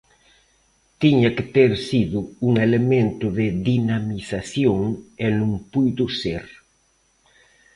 Tiña que ter sido un elemento de dinamización e non puido ser.